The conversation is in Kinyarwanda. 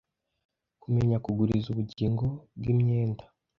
kumenya kuguriza ubugingo bwimyenda